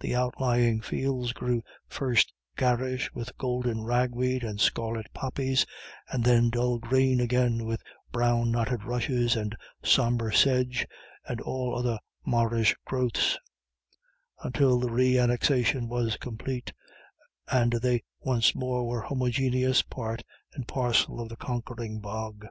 The outlying fields grew first garish with golden ragweed and scarlet poppies, and then dull green again with the brown knotted rushes and sombre sedge, and all other marish growths, until the re annexation was complete, and they once more were homogeneous part and parcel of the conquering bog.